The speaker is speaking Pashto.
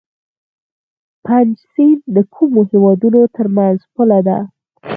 پنج سیند د کومو هیوادونو ترمنځ پوله ده؟